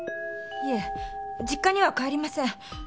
いえ実家には帰りません。